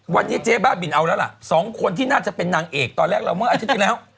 วันนี้เจ๊บ้าบินเอาแล้วล่ะสองคนที่น่าจะเป็นนางเอกตอนแรกเราเมื่ออาทิตย์ที่แล้ว